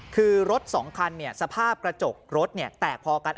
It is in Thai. คือรถ๒คันสภาพกระจกรถแตกพอกัน